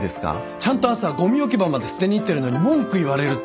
ちゃんと朝ごみ置き場まで捨てに行ってるのに文句言われるって。